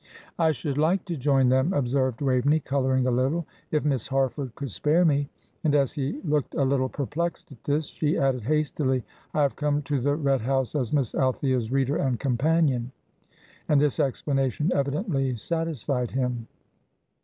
"I should like to join them," observed Waveney, colouring a little, "if Miss Harford could spare me." And as he looked a little perplexed at this, she added hastily, "I have come to the Red House as Miss Althea's reader and companion." And this explanation evidently satisfied him.